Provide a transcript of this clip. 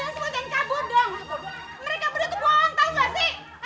mereka berdua itu bohong tahu gak sih